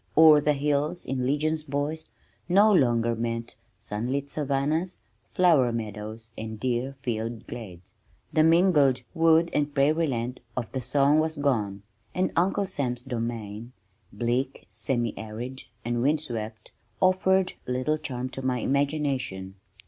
"O'er the hills in legions, boys," no longer meant sunlit savannahs, flower meadows and deer filled glades. The mingled "wood and prairie land" of the song was gone and Uncle Sam's domain, bleak, semi arid, and wind swept, offered little charm to my imagination.